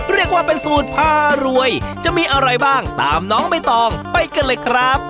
เรียกว่าเป็นสูตรพารวยจะมีอะไรบ้างตามน้องใบตองไปกันเลยครับ